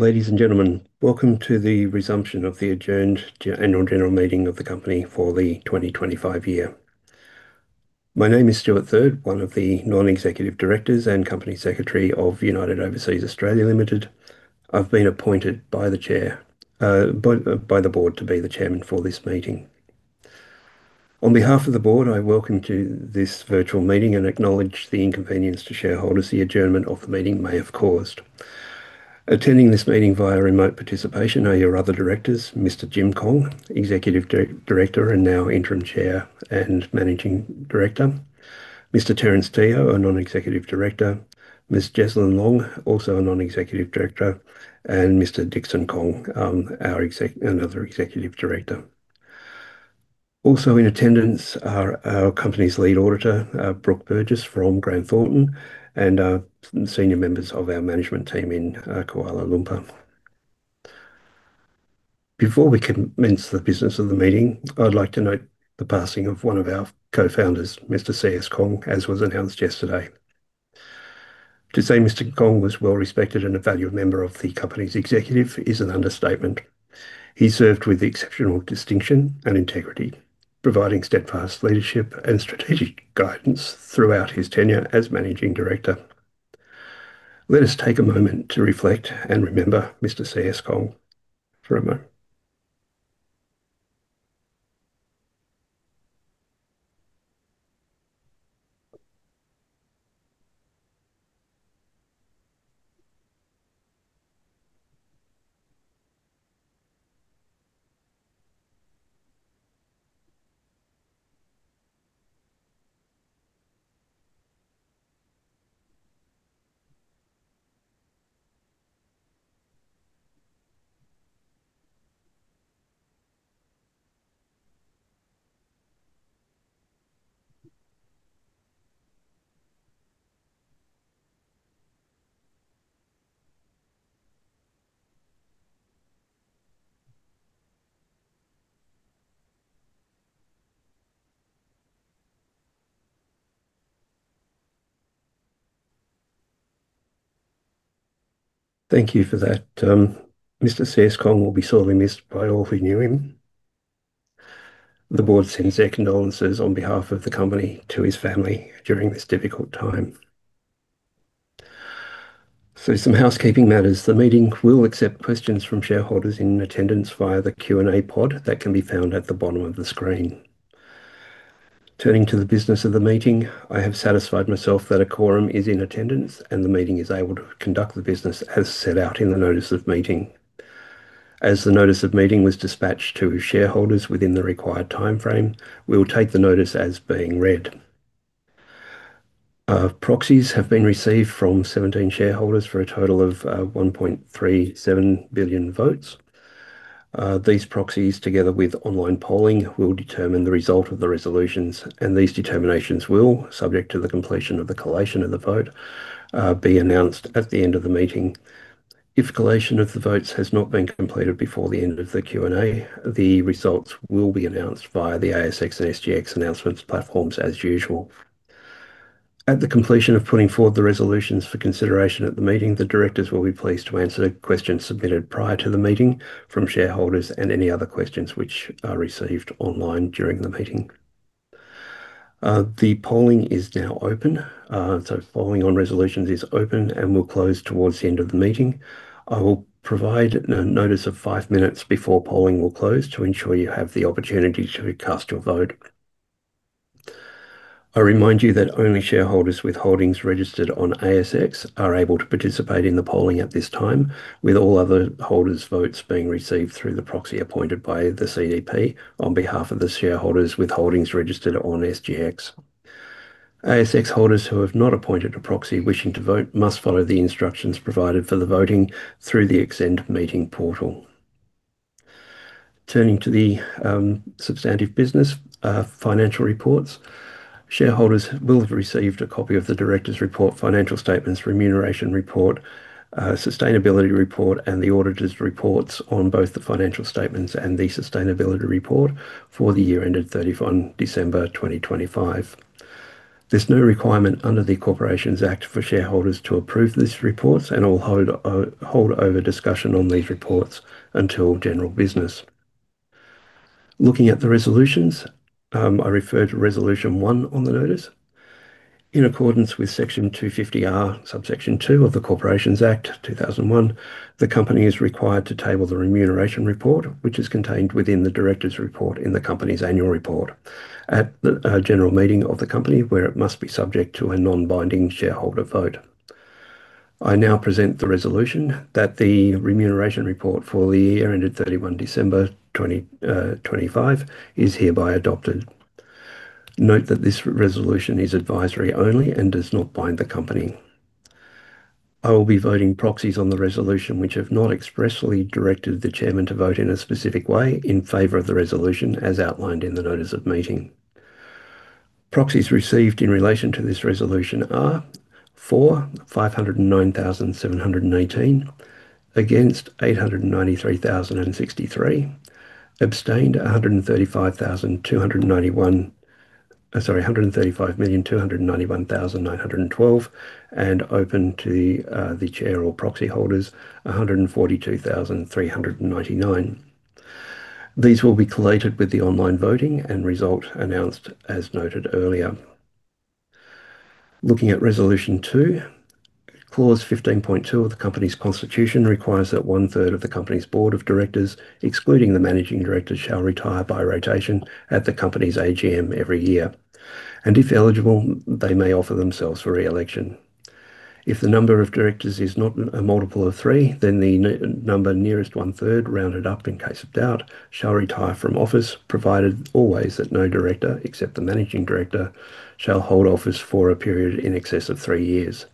Ladies and gentlemen, welcome to the resumption of the adjourned annual general meeting of the company for the 2025 year. My name is Stuart Third, one of the Non-Executive Directors and Company Secretary of United Overseas Australia Ltd. I've been appointed by the board to be the Chairman for this meeting. On behalf of the board, I welcome you to this virtual meeting and acknowledge the inconvenience to shareholders the adjournment of the meeting may have caused. Attending this meeting via remote participation are your other Directors, Mr. Pak Lim Kong, Executive Director and now Interim Chair and Managing Director, Mr. Terence Teo, a Non-Executive Director, Ms. Jeslyn Leong, also a Non-Executive Director, and Mr. Dickson Kong, another Executive Director. Also in attendance are our company's Lead Auditor, Brooke Burgess, from Grant Thornton, and senior members of our management team in Kuala Lumpur. Before we commence the business of the meeting, I'd like to note the passing of one of our Co-Founders, Mr. C.S. Kong, as was announced yesterday. To say Mr. Kong was well respected and a valued member of the company's executive is an understatement. He served with exceptional distinction and integrity, providing steadfast leadership and strategic guidance throughout his tenure as Managing Director. Let us take a moment to reflect and remember Mr. C.S. Kong. Thank you for that. Mr. C.S. Kong will be sorely missed by all who knew him. The board sends their condolences on behalf of the company to his family during this difficult time. Some housekeeping matters. The meeting will accept questions from shareholders in attendance via the Q&A pod that can be found at the bottom of the screen. Turning to the business of the meeting, I have satisfied myself that a quorum is in attendance and the meeting is able to conduct the business as set out in the notice of meeting. As the notice of meeting was dispatched to shareholders within the required timeframe, we will take the notice as being read. Proxies have been received from 17 shareholders for a total of 1.37 billion votes. These proxies, together with online polling, will determine the result of the resolutions, and these determinations will, subject to the completion of the collation of the vote, be announced at the end of the meeting. If collation of the votes has not been completed before the end of the Q&A, the results will be announced via the ASX and SGX announcements platforms as usual. At the completion of putting forward the resolutions for consideration at the meeting, the Directors will be pleased to answer questions submitted prior to the meeting from shareholders and any other questions which are received online during the meeting. The polling is now open. Polling on resolutions is open and will close towards the end of the meeting. I will provide notice of five minutes before polling will close to ensure you have the opportunity to cast your vote. I remind you that only shareholders with holdings registered on ASX are able to participate in the polling at this time, with all other holders' votes being received through the proxy appointed by the CDP on behalf of the shareholders with holdings registered on SGX. ASX holders who have not appointed a proxy wishing to vote must follow the instructions provided for the voting through the XCEND Meeting Portal. Turning to the substantive business, financial reports. Shareholders will have received a copy of the directors' report, financial statements, remuneration report, sustainability report, and the auditors' reports on both the financial statements and the sustainability report for the year ended 31 December 2025. There's no requirement under the Corporations Act for shareholders to approve these reports, and I'll hold over discussion on these reports until general business. Looking at the resolutions, I refer to resolution one on the notice. In accordance with Section 250R, Subsection 2 of the Corporations Act 2001, the company is required to table the remuneration report, which is contained within the directors' report in the company's annual report at the general meeting of the company, where it must be subject to a non-binding shareholder vote. I now present the resolution that the remuneration report for the year ended 31 December 2025 is hereby adopted. Note that this resolution is advisory only and does not bind the company. I will be voting proxies on the resolution which have not expressly directed the chairman to vote in a specific way in favor of the resolution as outlined in the notice of meeting. Proxies received in relation to this resolution are for 509,718, against 893,063, abstained 135,291,912, and open to the chair or proxy holders, 142,399. These will be collated with the online voting and result announced as noted earlier. Looking at Resolution 2, Clause 15.2 of the company's constitution requires that one-third of the company's board of directors, excluding the managing director, shall retire by rotation at the company's AGM every year, and if eligible, they may offer themselves for re-election. If the number of directors is not a multiple of three, the number nearest one-third, rounded up in case of doubt, shall retire from office, provided always that no Director, except the Managing Director, shall hold office for a period in excess of three years,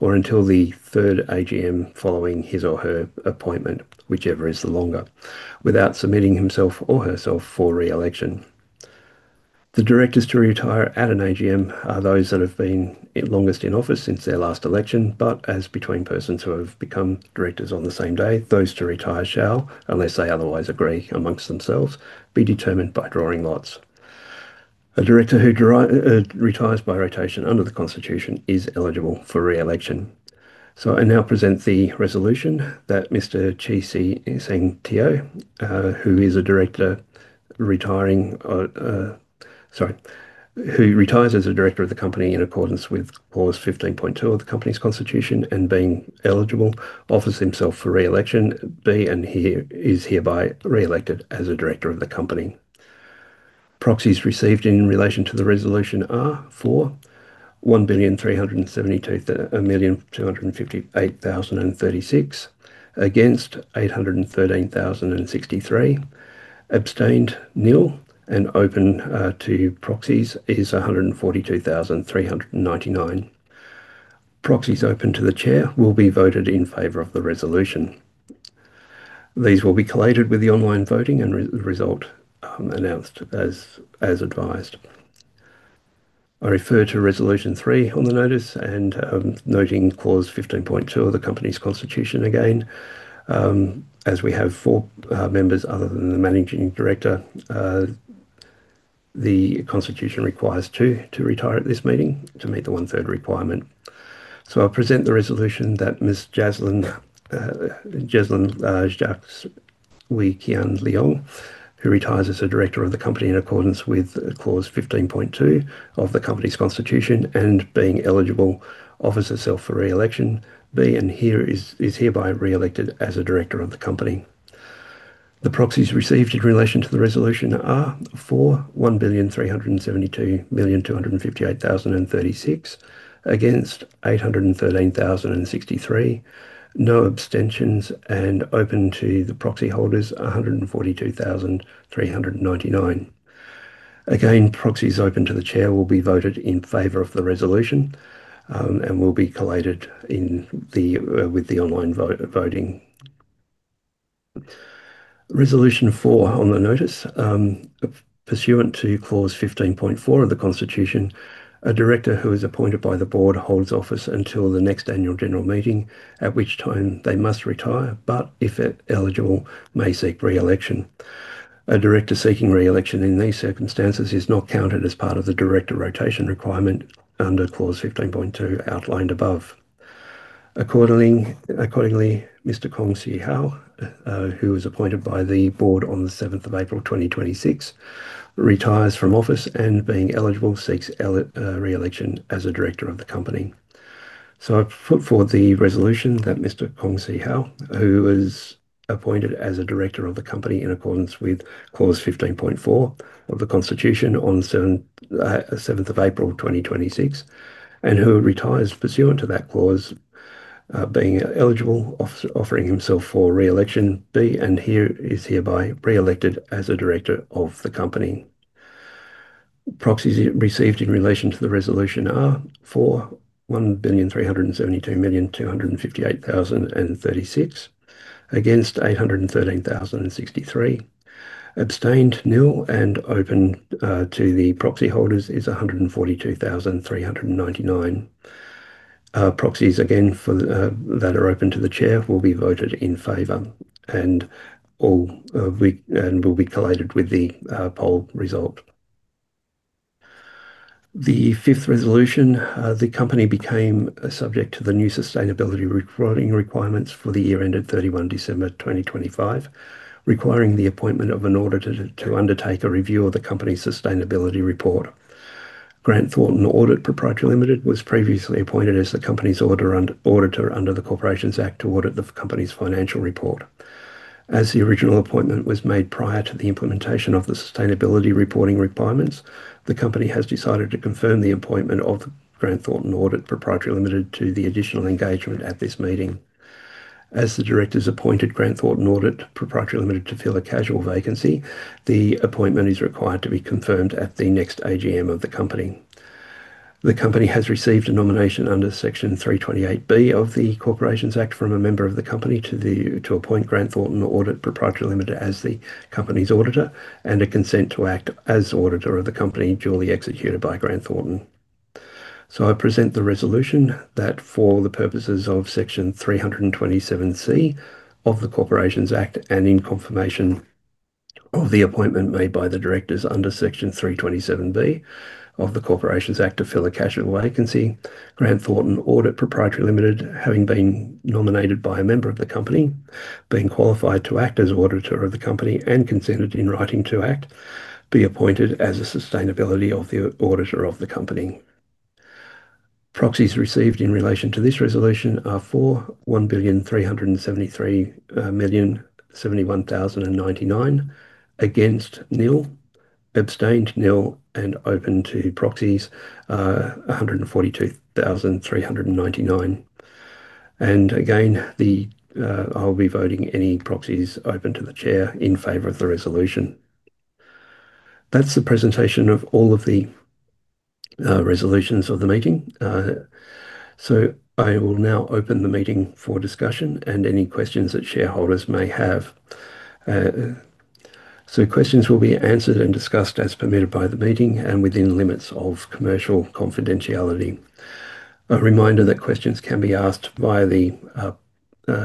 or until the third AGM following his or her appointment, whichever is the longer, without submitting himself or herself for re-election. The directors to retire at an AGM are those that have been longest in office since their last election, but as between persons who have become directors on the same day, those to retire shall, unless they otherwise agree among themselves, be determined by drawing lots. A director who retires by rotation under the constitution is eligible for re-election. I now present the resolution that Mr. Chee Seng Teo, who retires as a director of the company in accordance with Clause 15.2 of the company's constitution and being eligible, offers himself for re-election, be and is hereby re-elected as a Director of the company. Proxies received in relation to the resolution are: for, 1,372,258,036. Against, 813,063. Abstained, nil, and open to proxies is 142,399. Proxies open to the chair will be voted in favor of the resolution. These will be collated with the online voting and result announced as advised. I refer to Resolution three on the notice and noting Clause 15.2 of the company's constitution again, as we have four members other than the Managing Director, the constitution requires two to retire at this meeting to meet the 1/3 requirement. I present the resolution that Ms. Jeslyn Jacques Wee Kian Leong, who retires as a Director of the company in accordance with Clause 15.2 of the company's constitution and being eligible, offers herself for re-election, be and is hereby re-elected as a Director of the company. The proxies received in relation to the resolution are: for, 1,372,258,036. Against, 813,063. No abstentions, and open to the proxy holders, 142,399. Proxies open to the chair will be voted in favor of the resolution, and will be collated with the online voting. Resolution 4 on the notice. Pursuant to Clause 15.4 of the constitution, a director who is appointed by the board holds office until the next annual general meeting, at which time they must retire, but if eligible, may seek re-election. A director seeking re-election in these circumstances is not counted as part of the director rotation requirement under Clause 15.2 outlined above. Mr. Kong Sze Hou, who was appointed by the board on the 7th of April 2026, retires from office and being eligible seeks re-election as a director of the company. I put forward the resolution that Mr. Kong Sze Hou, who was appointed as a Director of the company in accordance with Clause 15.4 of the constitution on 7th of April 2026, and who retires pursuant to that clause, being eligible, offering himself for re-election, be and is hereby re-elected as a director of the company. Proxies received in relation to the resolution are: for, 1,372,258,036. Against, 813,063. Abstained, nil, and open to the proxy holders is 142,399. Proxies, again, that are open to the Chair will be voted in favor and will be collated with the poll result. The fifth resolution, the company became subject to the new sustainability reporting requirements for the year ended 31 December 2025, requiring the appointment of an auditor to undertake a review of the company's sustainability report. Grant Thornton Audit Pty Ltd was previously appointed as the company's auditor under the Corporations Act to audit the company's financial report. As the original appointment was made prior to the implementation of the sustainability reporting requirements, the company has decided to confirm the appointment of Grant Thornton Audit Pty Ltd to the additional engagement at this meeting. As the directors appointed Grant Thornton Audit Pty Ltd to fill a casual vacancy, the appointment is required to be confirmed at the next AGM of the company. The company has received a nomination under Section 328B of the Corporations Act from a member of the company to appoint Grant Thornton Audit Proprietary Ltd as the company's auditor, and a consent to act as auditor of the company duly executed by Grant Thornton. I present the resolution that for the purposes of Section 327C of the Corporations Act, and in confirmation of the appointment made by the directors under Section 327B of the Corporations Act to fill a casual vacancy, Grant Thornton Audit Proprietary Ltd, having been nominated by a member of the company, being qualified to act as auditor of the company and consented in writing to act, be appointed as a statutory auditor of the company. Proxies received in relation to this resolution are for, 1,373,071,099, against, nil, abstained, nil, and open to proxies, 142,399. Again, I'll be voting any proxies open to the chair in favor of the resolution. That's the presentation of all of the resolutions of the meeting. I will now open the meeting for discussion and any questions that shareholders may have. Questions will be answered and discussed as permitted by the meeting and within limits of commercial confidentiality. A reminder that questions can be asked via the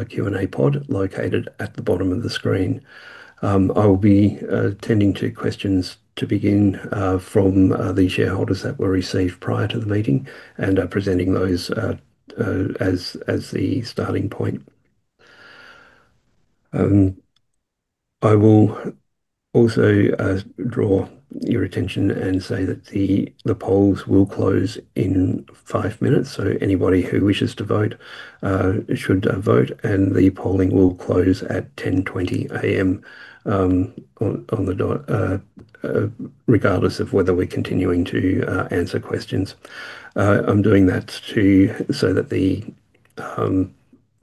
Q&A pod located at the bottom of the screen. I'll be tending to questions to begin from the shareholders that were received prior to the meeting and are presenting those as the starting point. I will also draw your attention and say that the polls will close in five minutes. Anybody who wishes to vote should vote, and the polling will close at 10:20 A.M. on the dot, regardless of whether we're continuing to answer questions. I'm doing that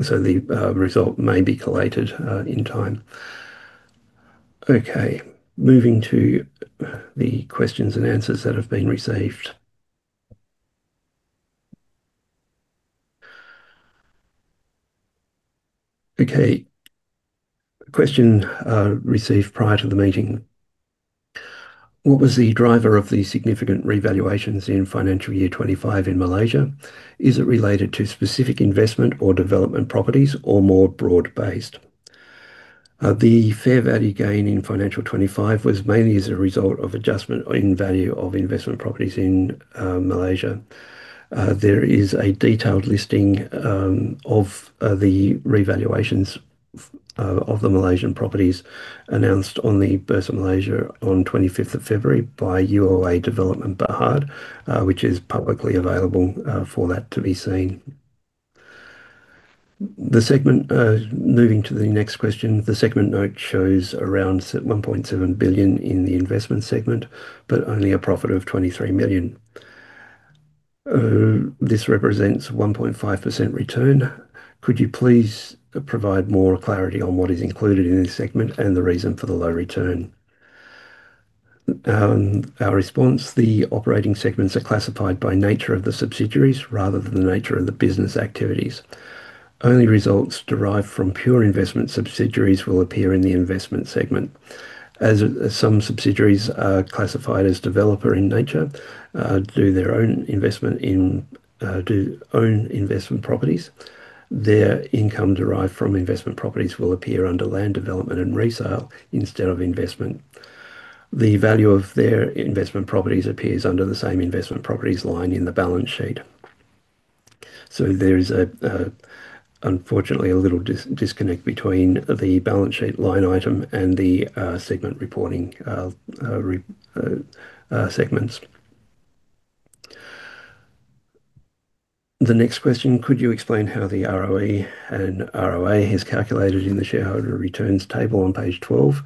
so the result may be collated in time. Okay. Moving to the questions and answers that have been received. Okay. A question received prior to the meeting. What was the driver of the significant revaluations in financial year 2025 in Malaysia? Is it related to specific investment or development properties or more broad-based? The fair value gain in financial 2025 was mainly as a result of adjustment in value of investment properties in Malaysia. There is a detailed listing of the revaluations of the Malaysian properties announced on the Bursa Malaysia on 25th of February by UOA Development Bhd, which is publicly available for that to be seen. Moving to the next question. The segment note shows around 1.7 billion in the investment segment, but only a profit of 23 million. This represents 1.5% return. Could you please provide more clarity on what is included in this segment and the reason for the low return? Our response, the operating segments are classified by nature of the subsidiaries rather than the nature of the business activities. Only results derived from pure investment subsidiaries will appear in the investment segment. As some subsidiaries are classified as developer in nature, do own investment properties, their income derived from investment properties will appear under land development and resale instead of investment. The value of their investment properties appears under the same investment properties line in the balance sheet. There is unfortunately a little disconnect between the balance sheet line item and the segment reporting segments. The next question, could you explain how the ROE and ROA is calculated in the shareholder returns table on page 12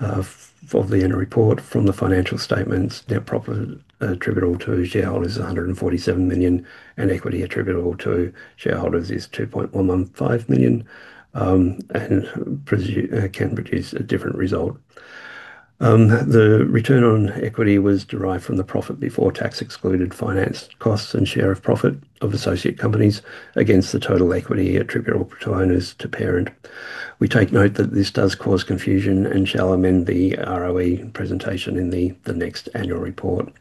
of the annual report from the financial statements their profit attributable to shareholders is 147 million, and equity attributable to shareholders is 2.115 million, and can produce a different result. The return on equity was derived from the profit before tax excluded finance costs and share of profit of associate companies against the total equity attributable to owners to parent. We take note that this does cause confusion and shall amend the ROE presentation in the next annual report.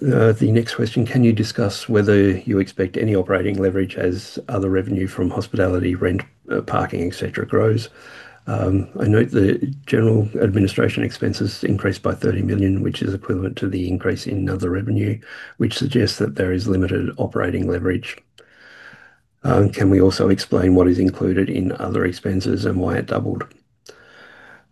The next question, can you discuss whether you expect any operating leverage as other revenue from hospitality, rent, parking, et cetera, grows? I note the general administration expenses increased by 30 million, which is equivalent to the increase in other revenue, which suggests that there is Ltd operating leverage. Can we also explain what is included in other expenses and why it doubled?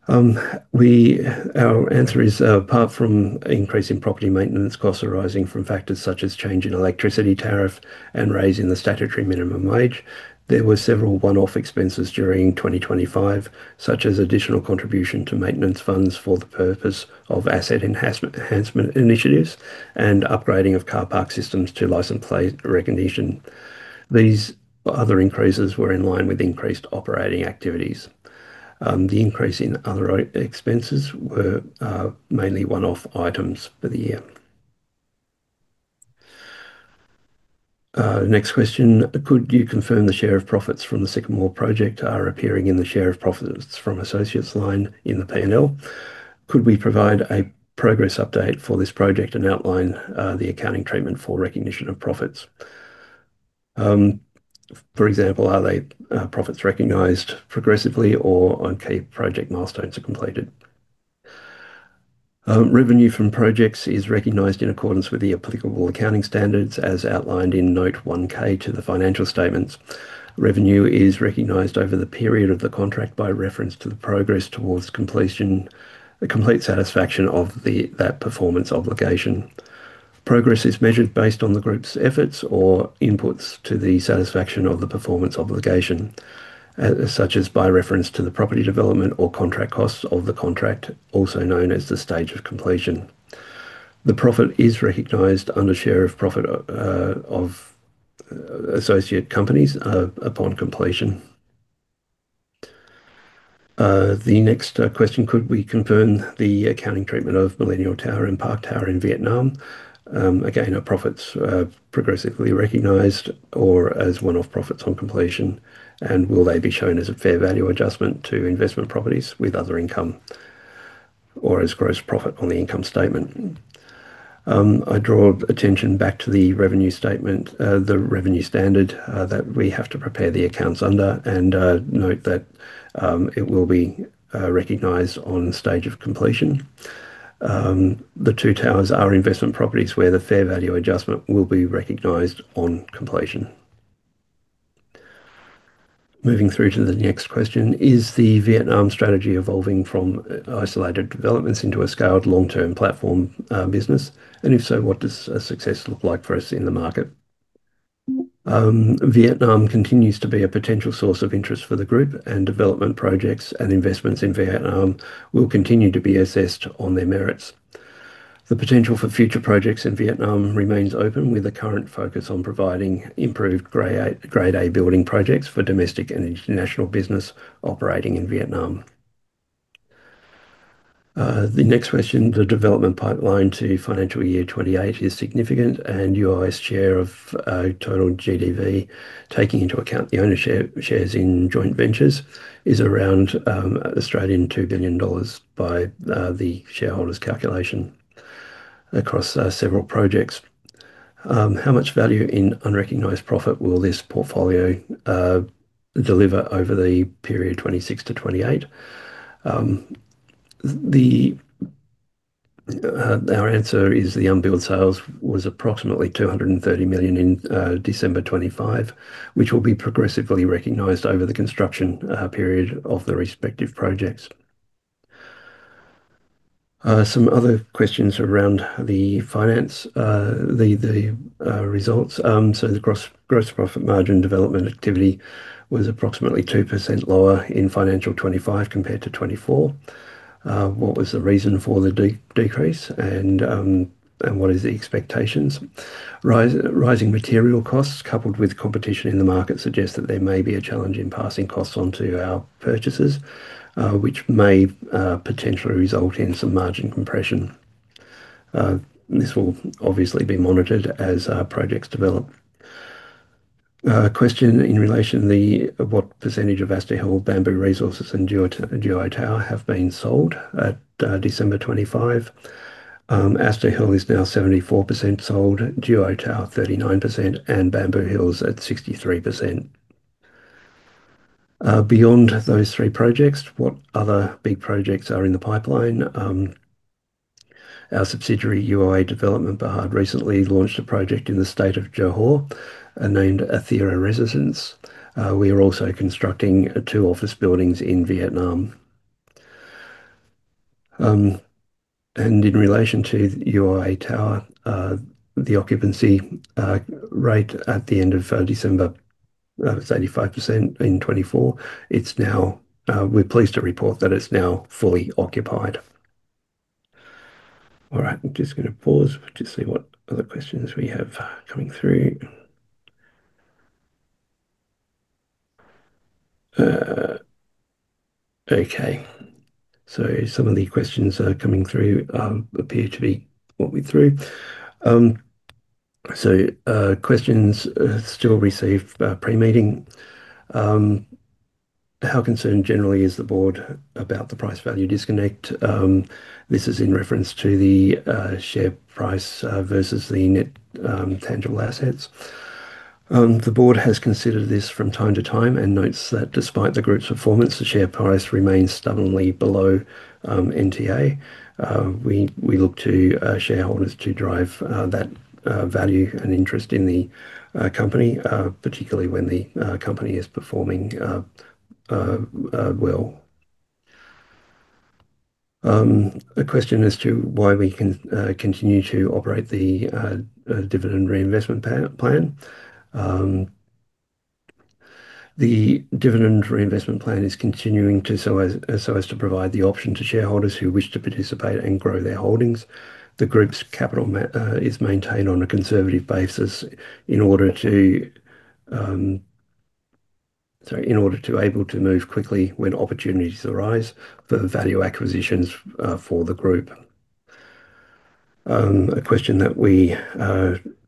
Our answer is, apart from increase in property maintenance costs arising from factors such as change in electricity tariff and raise in the statutory minimum wage, there were several one-off expenses during 2025, such as additional contribution to maintenance funds for the purpose of asset enhancement initiatives and upgrading of car park systems to license plate recognition. These other increases were in line with increased operating activities. The increase in other expenses were mainly one-off items for the year. Next question. Could you confirm the share of profits from the Sycamore project are appearing in the share of profits from associates line in the P&L? Could we provide a progress update for this project and outline the accounting treatment for recognition of profits? For example, are they profits recognized progressively or on key project milestones are completed? Revenue from projects is recognized in accordance with the applicable accounting standards as outlined in Note 1K to the financial statements. Revenue is recognized over the period of the contract by reference to the progress towards completion, a complete satisfaction of that performance obligation. Progress is measured based on the group's efforts or inputs to the satisfaction of the performance obligation, such as by reference to the property development or contract costs of the contract, also known as the stage of completion. The profit is recognized under share of profit of associate companies upon completion. The next question: could we confirm the accounting treatment of Millennial Tower and Parc Tower in Vietnam? Are profits progressively recognized or as one-off profits on completion? Will they be shown as a fair value adjustment to investment properties with other income or as gross profit on the income statement? I draw attention back to the revenue statement, the revenue standard that we have to prepare the accounts under, and note that it will be recognized on stage of completion. The two towers are investment properties where the fair value adjustment will be recognized on completion. Moving through to the next question: is the Vietnam strategy evolving from isolated developments into a scaled long-term platform business? If so, what does success look like for us in the market? Vietnam continues to be a potential source of interest for the group, development projects and investments in Vietnam will continue to be assessed on their merits. The potential for future projects in Vietnam remains open, with a current focus on providing improved Grade A building projects for domestic and international business operating in Vietnam. The next question. The development pipeline to FY 2028 is significant. UOA's share of total GDV, taking into account the owner shares in joint ventures, is around 2 billion Australian dollars by the shareholders calculation across several projects. How much value in unrecognized profit will this portfolio deliver over the period 2026 to 2028? Our answer is the unbilled sales was approximately 230 million in December 2025, which will be progressively recognized over the construction period of the respective projects. Some other questions around the finance, the results. The gross profit margin development activity was approximately 2% lower in FY 2025 compared to 2024. What was the reason for the decrease? What is the expectations? Rising material costs coupled with competition in the market suggest that there may be a challenge in passing costs on to our purchasers, which may potentially result in some margin compression. This will obviously be monitored as our projects develop. A question in relation what percentage of Aster Hill, Bamboo Hills Residences, and Duo Tower have been sold at December 2025. Aster Hill is now 74% sold, Duo Tower 39%, and Bamboo Hills is at 63%. Beyond those three projects, what other big projects are in the pipeline? Our subsidiary, UOA Development Bhd, recently launched a project in the state of Johor, named Aethera Residences. We are also constructing two office buildings in Vietnam. In relation to UOA Tower, the occupancy rate at the end of December, it's 85% in 2024. We're pleased to report that it's now fully occupied. All right. I'm just going to pause to see what other questions we have coming through. Okay. Some of the questions that are coming through appear to be what we threw. Questions still received pre-meeting. How concerned generally is the board about the price-value disconnect? This is in reference to the share price versus the net tangible assets. The board has considered this from time to time and notes that despite the group's performance, the share price remains stubbornly below NTA. We look to shareholders to drive that value and interest in the company, particularly when the company is performing well. A question as to why we continue to operate the dividend reinvestment plan. The dividend re-investment plan is continuing so as to provide the option to shareholders who wish to participate and grow their holdings. The group's capital is maintained on a conservative basis in order to able to move quickly when opportunities arise for value acquisitions for the group. A question that we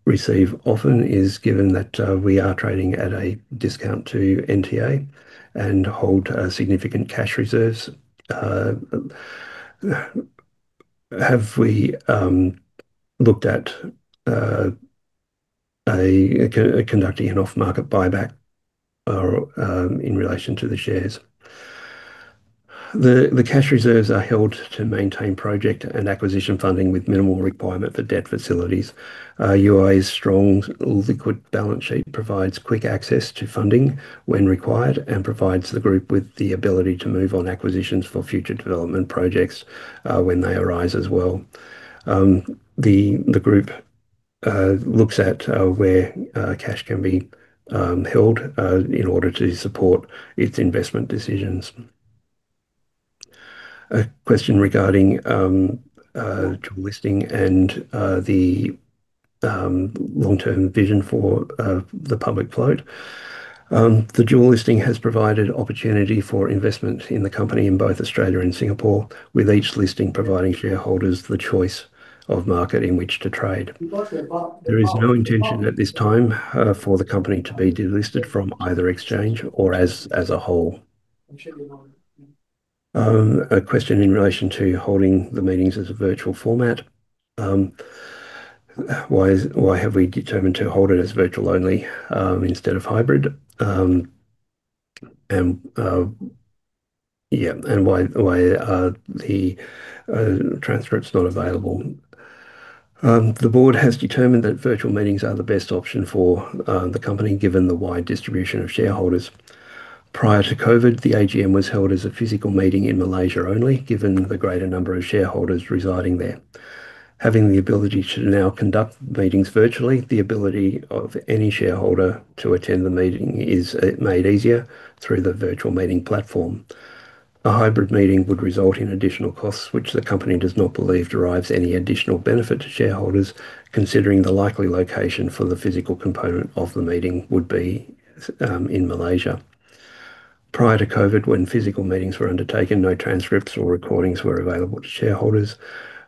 receive often is given that we are trading at a discount to NTA and hold significant cash reserves, have we looked at conducting an off-market buyback in relation to the shares? The cash reserves are held to maintain project and acquisition funding with minimal requirement for debt facilities. UOA's strong liquid balance sheet provides quick access to funding when required and provides the group with the ability to move on acquisitions for future development projects when they arise as well. The group looks at where cash can be held in order to support its investment decisions. A question regarding dual listing and the long-term vision for the public float. The dual listing has provided opportunity for investment in the company in both Australia and Singapore, with each listing providing shareholders the choice of market in which to trade. There is no intention at this time for the company to be delisted from either exchange or as a whole. A question in relation to holding the meetings as a virtual format. Why have we determined to hold it as virtual only instead of hybrid? Why are the transcripts not available? The Board has determined that virtual meetings are the best option for the company, given the wide distribution of shareholders. Prior to COVID, the AGM was held as a physical meeting in Malaysia only, given the greater number of shareholders residing there. Having the ability to now conduct meetings virtually, the ability of any shareholder to attend the meeting is made easier through the virtual meeting platform. A hybrid meeting would result in additional costs, which the company does not believe derives any additional benefit to shareholders, considering the likely location for the physical component of the meeting would be in Malaysia. Prior to COVID, when physical meetings were undertaken, no transcripts or recordings were available to shareholders.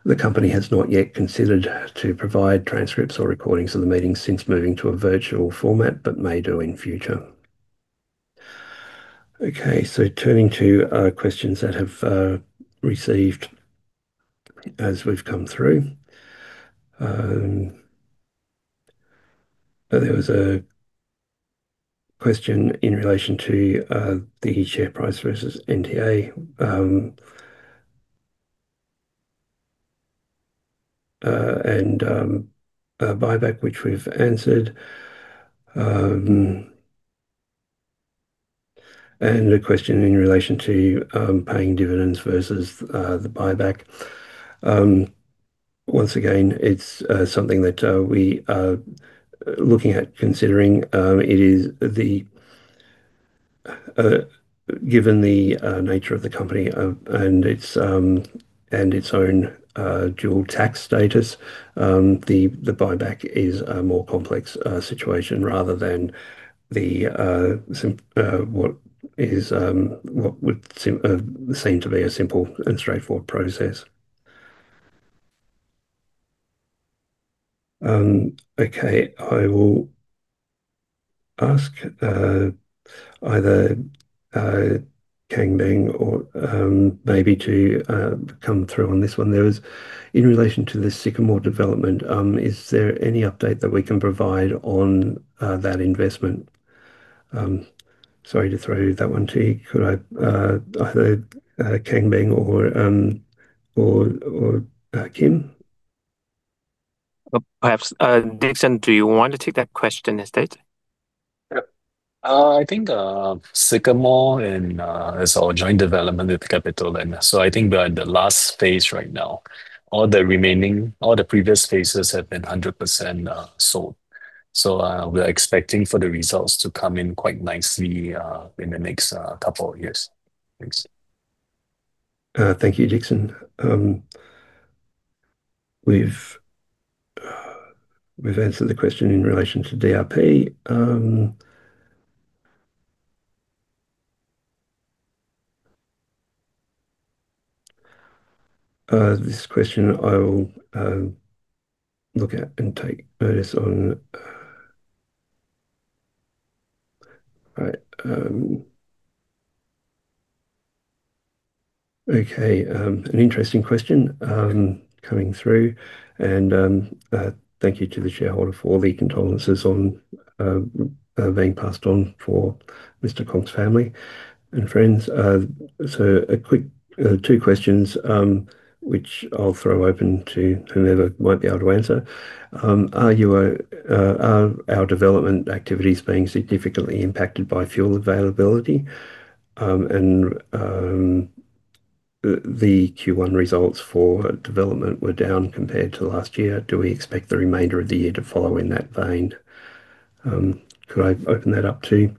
The company has not yet considered to provide transcripts or recordings of the meeting since moving to a virtual format, but may do in future. Turning to questions that have received as we've come through. There was a question in relation to the share price versus NTA, and a buyback, which we've answered. A question in relation to paying dividends versus the buyback. Once again, it's something that we are looking at considering. Given the nature of the company and its own dual tax status, the buyback is a more complex situation rather than what would seem to be a simple and straightforward process. Okay, I will ask either Kang Beng or maybe to come through on this one. There was in relation to the Sycamore development, is there any update that we can provide on that investment? Sorry to throw that one to you. Could either Kang Beng or Kim? Perhaps. Dickson, do you want to take that question instead? Yep. I think Sycamore is our joint development with CapitaLand. I think we are in the last phase right now. All the previous phases have been 100% sold. We are expecting for the results to come in quite nicely in the next couple of years. Thanks. Thank you, Dickson. We've answered the question in relation to DRP. This question I will look at and take notice on. Right. Okay, an interesting question coming through. Thank you to the shareholder for the condolences on being passed on for Mr. Kong's family and friends. A quick two questions, which I'll throw open to whomever might be able to answer. Are our development activities being significantly impacted by fuel availability? The Q1 results for development were down compared to last year. Do we expect the remainder of the year to follow in that vein? Could I open that up to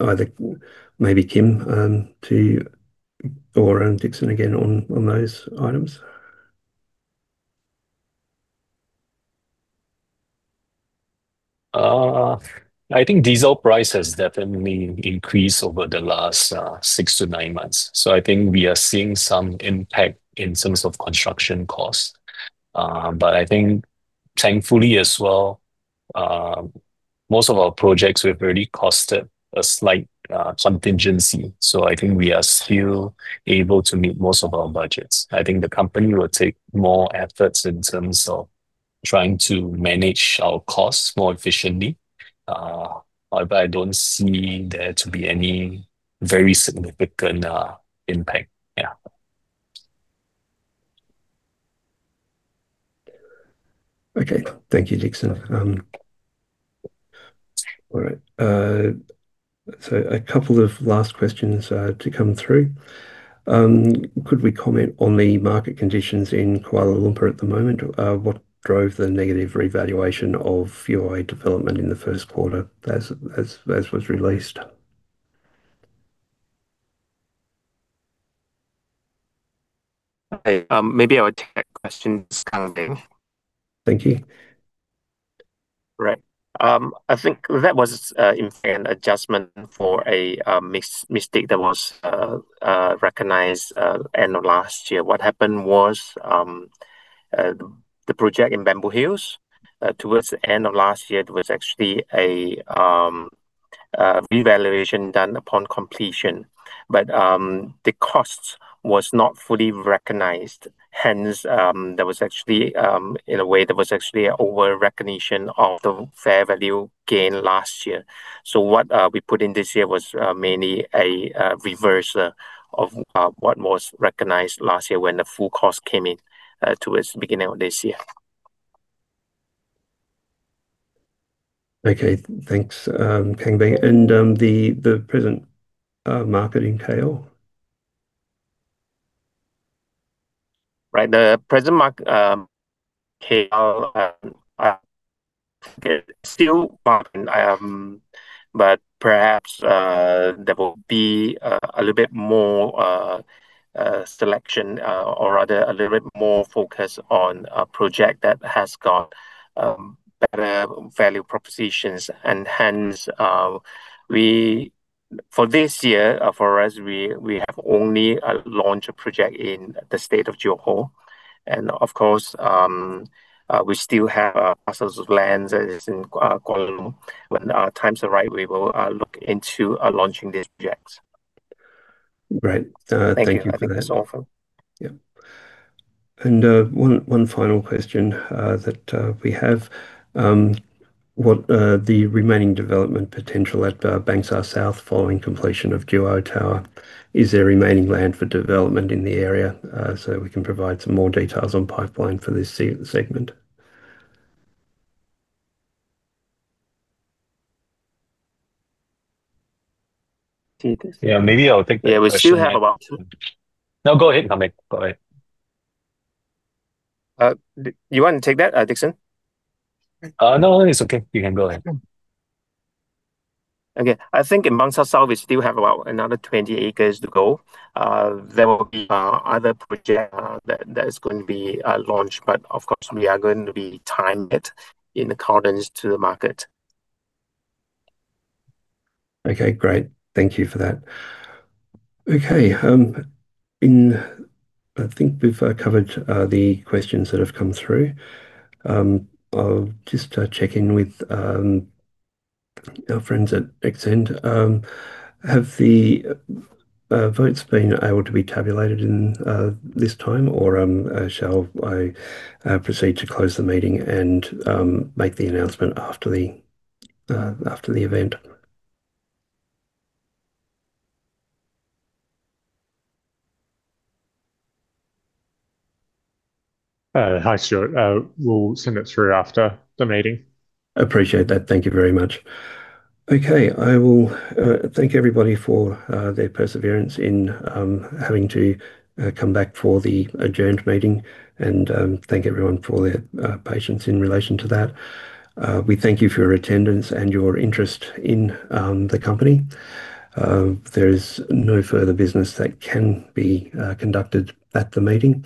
either maybe Kim to or Dickson again on those items? I think diesel price has definitely increased over the last six to nine months. I think we are seeing some impact in terms of construction cost. I think thankfully as well, most of our projects we've already costed a slight contingency, so I think we are still able to meet most of our budgets. I think the company will take more efforts in terms of trying to manage our costs more efficiently. I don't see there to be any very significant impact. Yeah. Okay. Thank you, Dickson. All right, a couple of last questions to come through. Could we comment on the market conditions in Kuala Lumpur at the moment? What drove the negative revaluation of your development in the first quarter as was released? Okay. Maybe I would take that question, Kang Beng. Thank you. Right. I think that was, in fact, an adjustment for a mistake that was recognized end of last year. What happened was, the project in Bamboo Hills, towards the end of last year, there was actually a revaluation done upon completion. The cost was not fully recognized, hence, in a way, there was actually a overrecognition of the fair value gain last year. What we put in this year was mainly a reverse of what was recognized last year when the full cost came in towards beginning of this year. Okay, thanks, Kang Beng. The present market in KL? Right. The present market in KL still. Okay. Perhaps there will be a little bit more selection, or rather, a little bit more focus on a project that has got better value propositions. Hence, for this year, for us, we have only launched a project in the state of Johor. Of course, we still have parcels of lands in Kuala Lumpur. When times are right, we will look into launching these projects. Great. Thank you for that. Thank you. I think that's all from. Yeah. One final question that we have. What the remaining development potential at Bangsar South following completion of Duo Tower, is there remaining land for development in the area? We can provide some more details on pipeline for this segment. Yeah, maybe I'll take that question. Yeah, we still have. No, go ahead, Kang Beng. Go ahead. You want to take that, Dickson? No, it's okay. You can go ahead. Okay. I think in Bangsar South, we still have about another 20 acres to go. There will be other project that is going to be launched, of course, we are going to be timed in accordance to the market. Great. Thank you for that. I think we've covered the questions that have come through. I'll just check in with our friends at XCEND. Have the votes been able to be tabulated in this time, or shall I proceed to close the meeting and make the announcement after the event? Hi, Stuart. We'll send it through after the meeting. Appreciate that. Thank you very much. I will thank everybody for their perseverance in having to come back for the adjourned meeting, and thank everyone for their patience in relation to that. We thank you for your attendance and your interest in the company. There is no further business that can be conducted at the meeting,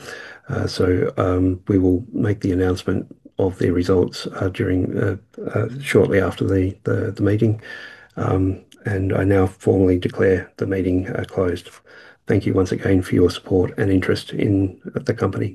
so we will make the announcement of the results shortly after the meeting. I now formally declare the meeting closed. Thank you once again for your support and interest in the company